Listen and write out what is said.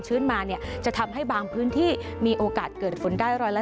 มาเนี่ยจะทำให้บางพื้นที่มีโอกาสเกิดฝนได้๑๔